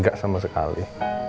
gak sama sekali